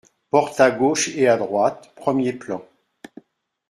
Porte à gauche et à droite, premier plan.